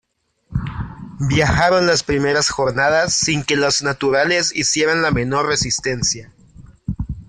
Viajaron las primeras jornadas sin que los naturales hicieran la menor resistencia.